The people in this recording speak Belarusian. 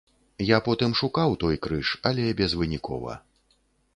Я потым шукаў той крыж, але безвынікова.